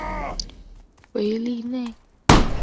韦利内。